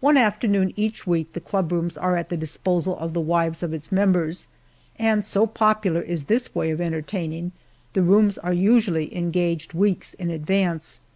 One afternoon each week the club rooms are at the disposal of the wives of its members, and so popular is this way of entertaining, the rooms are usually engaged weeks in advance.